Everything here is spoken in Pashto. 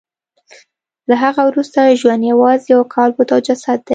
له هغه وروسته ژوند یوازې یو کالبد او جسد دی